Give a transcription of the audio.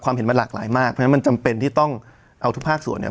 เห็นมันหลากหลายมากเพราะฉะนั้นมันจำเป็นที่ต้องเอาทุกภาคส่วนเนี่ย